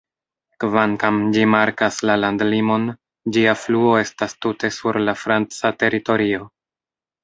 Kvankam ĝi markas la landlimon, ĝia fluo estas tute sur la franca teritorio.